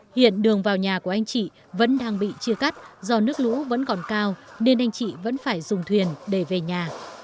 hiện đường vào nhà của anh chị vẫn đang bị chia cắt do nước lũ vẫn còn cao nên anh chị vẫn phải dùng thuyền để về nhà